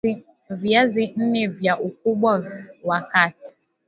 Viazi nne vya ukubwa wa kati